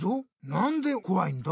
なんでこわいんだ？